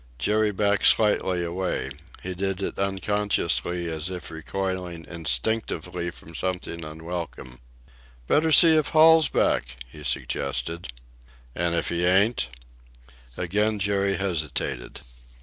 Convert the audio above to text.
Jerry backed slightly away. He did it unconsciously, as if recoiling instinctively from something unwelcome. "Better see if Hall's back," he suggested. "And if he ain't?" Again Jerry hesitated.